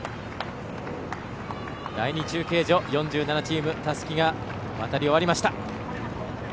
第２中継所、４７チームたすきが渡り終わりました。